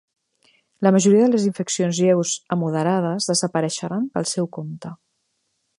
La majoria de les infeccions lleus a moderades desapareixeran pel seu compte.